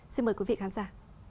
xin mời quý vị khán giả